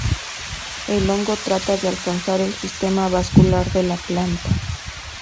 El hongo trata de alcanzar el sistema vascular de la planta.